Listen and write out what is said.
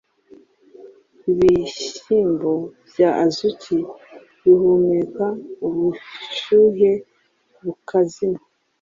Ibihyimbo bya azuki bihumeka ubuhyuhe bukazima